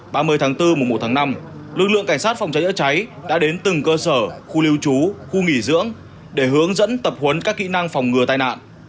vào tháng một tháng năm lực lượng cảnh sát phòng cháy ở cháy đã đến từng cơ sở khu lưu trú khu nghỉ dưỡng để hướng dẫn tập huấn các kỹ năng phòng ngừa tai nạn